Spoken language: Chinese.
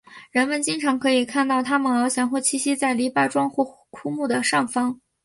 人们经常可以看到它们翱翔或栖息在篱笆桩或枯木的上方。